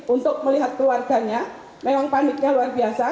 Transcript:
untuk melihat keluarganya memang paniknya luar biasa